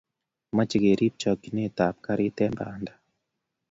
meche keriip chakchinetab karir eng banda